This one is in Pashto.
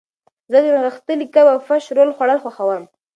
زه د نغښتلي کب او فش رول خوړل خوښوم.